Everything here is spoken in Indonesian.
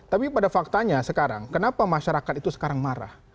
tapi pada faktanya sekarang kenapa masyarakat itu sekarang marah